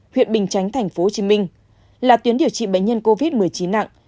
huyện bình chánh tp hcm là tuyến điều trị bệnh nhân covid một mươi chín nặng